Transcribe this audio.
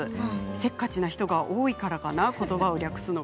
せっかちな人が多いからかな。